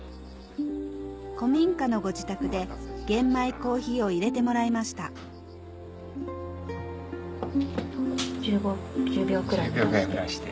古民家のご自宅で玄米珈琲を入れてもらいました１０秒ぐらい蒸らして。